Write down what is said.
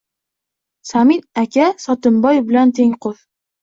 Samin aka Sotimboy bilan tengqur.